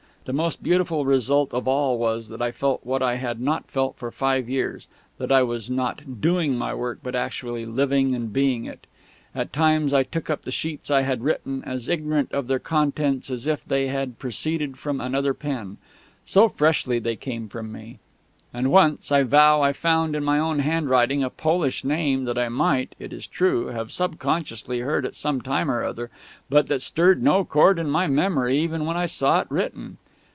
The most beautiful result of all was, that I felt what I had not felt for five years that I too was not "doing" my work, but actually living and being it. At times I took up the sheets I had written as ignorant of their contents as if they had proceeded from another pen so freshly they came to me. And once, I vow, I found, in my own handwriting, a Polish name, that I might (it is true) have subconsciously heard at some time or other, but that stirred no chord in my memory even when I saw it written.